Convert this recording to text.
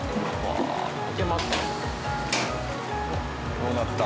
どうなった？